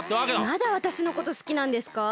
まだわたしのことすきなんですか？